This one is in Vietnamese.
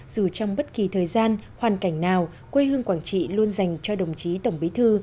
dù trong bất kỳ thời gian hoàn cảnh nào quê hương quảng trị luôn dành cho đồng chí tổng bí thư